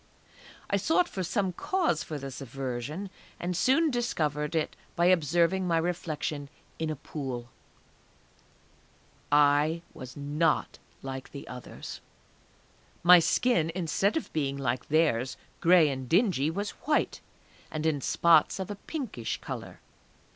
I sought for some cause for this aversion, and soon discovered it by observing my reflection in a pool. I was not like the others! My skin instead of being like theirs, gray and dingy, was white, and in spots of a pinkish colour....